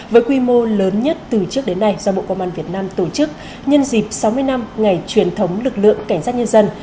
với quy mô lớn nhất từ trước đến nay do bộ công an việt nam tổ chức nhân dịp sáu mươi năm ngày truyền thống lực lượng cảnh sát nhân dân